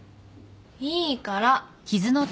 いいから。